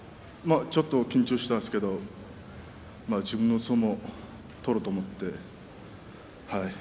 ちょっと緊張したんですけれども、自分の相撲を取ろうと思って、はい。